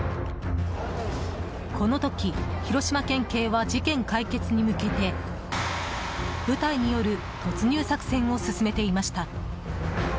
この時、広島県警は事件解決に向けて部隊による突入作戦を進めていました。